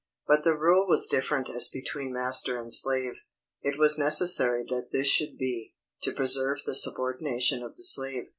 But the rule was different as between master and slave. It was necessary that this should be, to preserve the subordination of the slave.